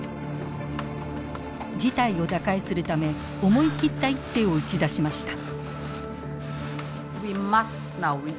事態を打開するため思い切った一手を打ち出しました。